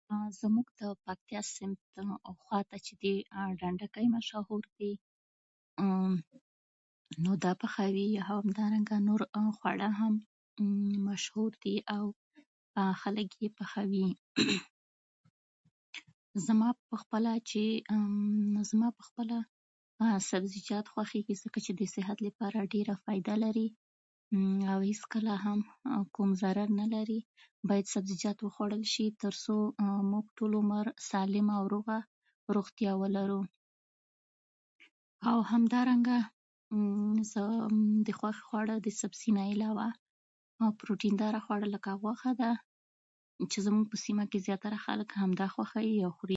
زموږ د پکتیا سیمې خواته چې دی، ډنډکی مشهور دی. نو دا پخوي او همدارنګه دا نور خواړه هم مشهور دي، او خلک یې پخوي. زما په خپله، چې زما پخپله سبزیجات خوښېږي، ځکه چې صحت لپاره ډېره فایده لري، او هيڅکله کوم ضرر نه لري. باید سبزیجات وخوړل شي، ځکه چې موږ ټول عمر سالمه او روغه روغتیا ولرو. او همدارنګه د زما د خوښې خواړه، د سبزیجاتو علاوه، پروتین داره خواړه، لکه غوښه ده، چې زموږ په سیمه کې زیاتره خلک همدا خوښوي او خوري.